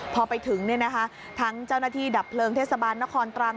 พอไปถึงทั้งเจ้าหน้าที่ดับเพลิงเทศบาลนครตรัง